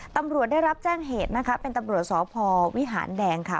ตำรวจได้รับแจ้งเหตุนะคะเป็นตำรวจสพวิหารแดงค่ะ